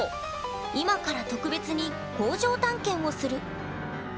今から特別に工場探検をする。